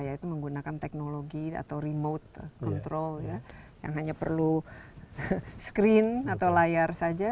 yaitu menggunakan teknologi atau remote control yang hanya perlu screen atau layar saja